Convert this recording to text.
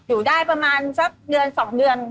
อยู่ได้ประมาณสักเดือน๒เดือน